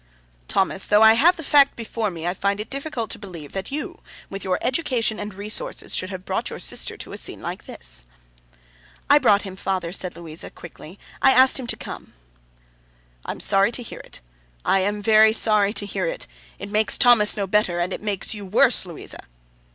'Thomas, though I have the fact before me, I find it difficult to believe that you, with your education and resources, should have brought your sister to a scene like this.' 'I brought him, father,' said Louisa, quickly. 'I asked him to come.' 'I am sorry to hear it. I am very sorry indeed to hear it. It makes Thomas no better, and it makes you worse, Louisa.